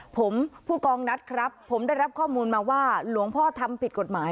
ผมผู้กองนัดครับผมได้รับข้อมูลมาว่าหลวงพ่อทำผิดกฎหมาย